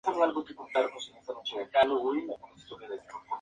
El idioma predominante en el distrito es el castellano.